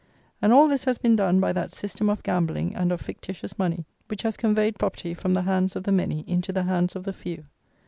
And all this has been done by that system of gambling and of fictitious money, which has conveyed property from the hands of the many into the hands of the few.